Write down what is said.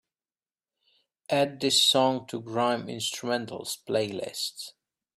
add this song to grime instrumentals playlist